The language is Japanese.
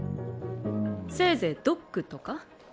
せいぜいドックとか？